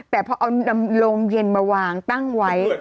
แต่พอเอานำโรงเย็นมาวางตั้งไว้